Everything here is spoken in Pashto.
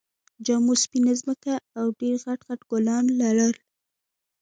جامو سپينه ځمکه او ژېړ غټ غټ ګلان لرل